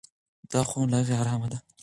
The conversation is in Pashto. دا خونه له هغې ارامه ده.